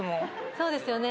そうですよね